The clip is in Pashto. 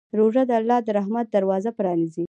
روژه د الله د رحمت دروازه پرانیزي.